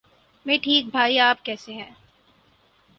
میں ٹھیک بھائی آپ کیسے ہیں؟